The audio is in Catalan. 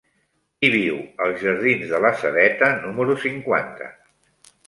Qui viu als jardins de la Sedeta número cinquanta?